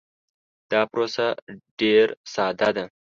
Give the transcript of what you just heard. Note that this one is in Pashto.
دا پروسه ډیر ساده ده.